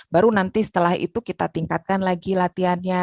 baru nanti setelah itu kita tingkatkan lagi latihannya